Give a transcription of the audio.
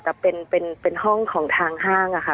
แต่เป็นห้องของทางห้างอะค่ะ